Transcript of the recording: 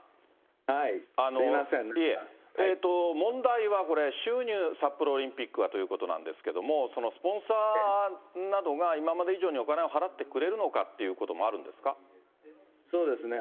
問題はこれ、収入、札幌オリンピックはということなんですけれども、そのスポンサーなどが、今まで以上にお金を払ってくれるのかということもあるんそうですね。